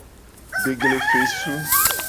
Deglefesu.